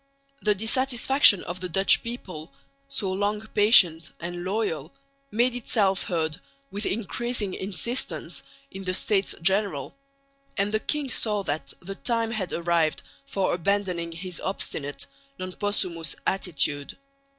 The dissatisfaction of the Dutch people, so long patient and loyal, made itself heard with increasing insistence in the States General; and the king saw that the time had arrived for abandoning his obstinate non possumus attitude.